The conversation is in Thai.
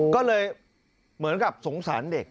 ก็เลยเหมือนกับสงสารเด็ก